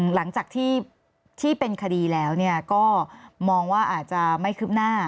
หลังจากที่เป็นคดีแล้วก็มองว่าอาจจะไม่คืบหน้า